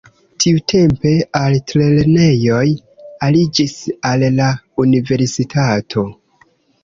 Tiutempe altlernejoj aliĝis al la universitato.